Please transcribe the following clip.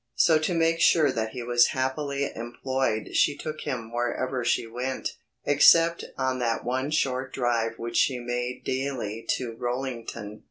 So to make sure that he was happily employed she took him wherever she went, except on that one short drive which she made daily to Rollington.